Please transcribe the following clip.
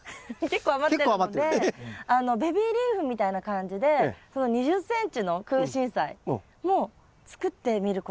結構余ってるのでベビーリーフみたいな感じで２０ｃｍのクウシンサイも作ってみることはできますか？